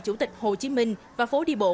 chủ tịch hồ chí minh và phố đi bộ